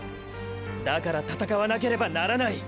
だから闘わなければならない！